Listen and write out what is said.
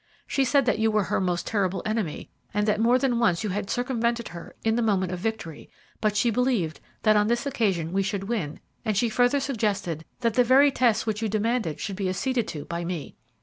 She said that you were her most terrible enemy, that more than once you had circumvented her in the moment of victory, but she believed that on this occasion we should win, and she further suggested that the very test which you demanded should be acceded to by me.